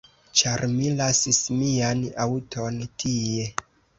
Ĉar mi lasis mian aŭton tie